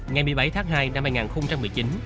ngày một mươi bảy tháng hai năm hai nghìn một mươi chín